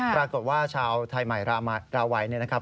ปรากฏว่าชาวไทยใหม่ราวัยเนี่ยนะครับ